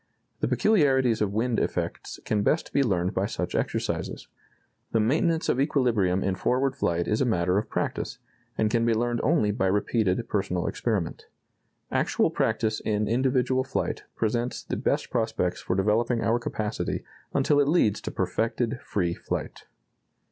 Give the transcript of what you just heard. The peculiarities of wind effects can best be learned by such exercises.... The maintenance of equilibrium in forward flight is a matter of practice, and can be learned only by repeated personal experiment.... Actual practice in individual flight presents the best prospects for developing our capacity until it leads to perfected free flight."